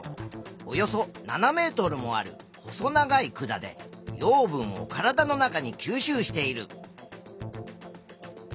およそ７ｍもある細長い管で養分を体の中に吸収している。